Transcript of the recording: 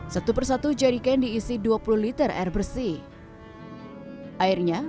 satu persatu jadi candy